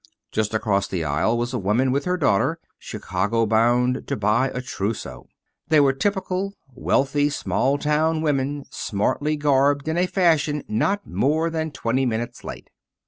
Just across the aisle was a woman, with her daughter, Chicago bound to buy a trousseau. They were typical, wealthy small town women smartly garbed in a fashion not more than twenty minutes late.